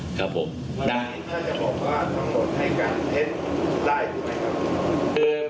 นะครับผมก็ต้องให้การว่าเขาให้การขัดแย้งข้อเรียกจริงนะครับ